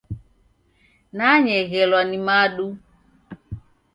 Nanyeghelwa ni madu.